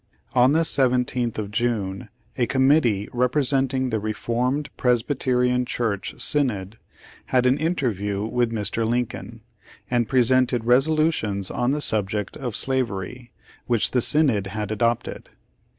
On the 17th of June a committee representing the Reformed Presbyterian Church Synod, had an intei view with Mr. Lincoln, and presented resolu tions on the subject of slavery, which the Synod had adopted.